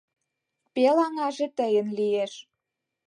Пел аҥаже тыйын лиеш.